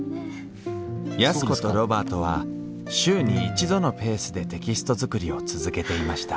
安子とロバートは週に一度のペースでテキストづくりを続けていました